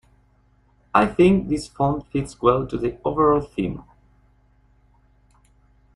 I think this font fits well to the overall theme.